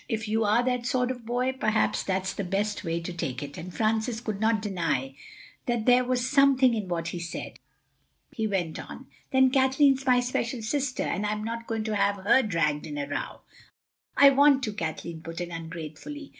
If you are that sort of boy, perhaps that's the best way to take it. And Francis could not deny that there was something in what he said. He went on: "Then Kathleen's my special sister and I'm not going to have her dragged into a row. ("I want to," Kathleen put in ungratefully.)